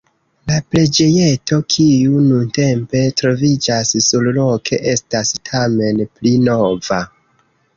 La preĝejeto kiu nuntempe troviĝas surloke estas tamen pli nova.